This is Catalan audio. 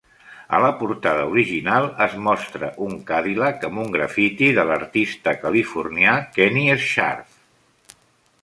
A la portada original es mostra un Cadillac amb un grafiti de l"artista californià Kenny Scharf.